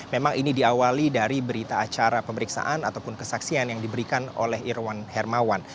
memang ini diawali dari berita acara pemeriksaan ataupun kesaksian yang diberikan oleh irwan hermawan